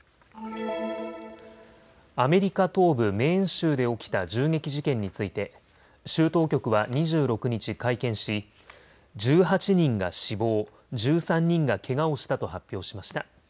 アメリカ東部メーン州で起きた銃撃事件について州当局は２６日、会見し１８人が死亡、１３人がけがをしたと発表しました。